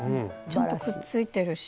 ちゃんとくっついてるし。